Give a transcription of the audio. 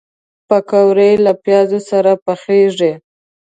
پکورې له پیاز سره پخېږي